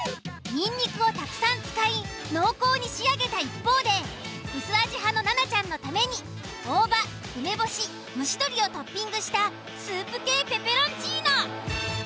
ニンニクをたくさん使い濃厚に仕上げた一方で薄味派の菜奈ちゃんのために大葉・梅干し・蒸し鶏をトッピングしたスープ系ペペロンチーノ。